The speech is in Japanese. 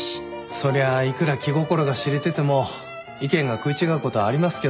そりゃあいくら気心が知れてても意見が食い違うことはありますけど。